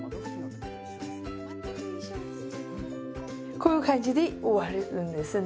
こういう感じで終わるんですね。